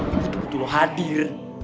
ibu tuh butuh lo hadir